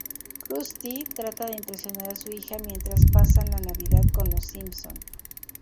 Krusty trata de impresionar a su hija mientras pasan la Navidad con los Simpson.